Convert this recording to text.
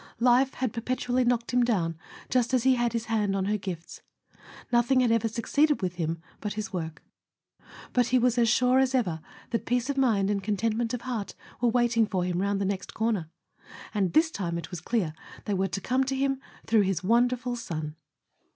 Life had perpetually knocked him down just as he had his hand on her gifts; nothing had ever succeeded with him but his work. But he was as sure as ever that peace of mind and contentment of heart were waiting for him round the next corner; and this time, it was clear, they were to come to him through his wonderful son.